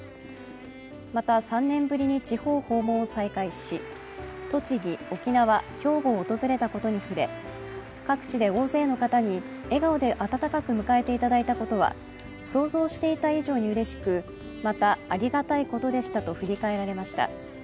また、３年ぶりに地方訪問を再開し栃木、沖縄、兵庫を訪れたことに触れ、各地で大勢の方に笑顔で温かく迎えていただいたことは想像していた以上にうれしくまた、ありがたいことでしたと振り返られました。